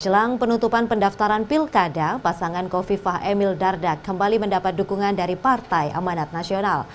jelang penutupan pendaftaran pilkada pasangan kofifah emil dardak kembali mendapat dukungan dari partai amanat nasional